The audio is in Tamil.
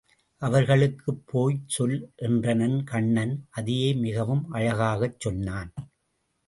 அவர்களுக்குப் போய்ச் சொல் என்றனன் கண்ணன் அதையே மிகவும் அழகாகச் சொன்னான்.